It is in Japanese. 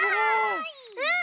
うん！